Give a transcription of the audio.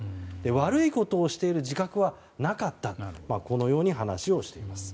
悪いことをしている自覚はなかったとこのように話をしています。